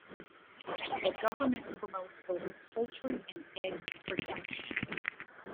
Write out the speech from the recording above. The government promotes both poultry and egg production.